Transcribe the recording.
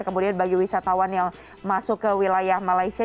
kemudian bagi wisatawan yang masuk ke wilayah malaysia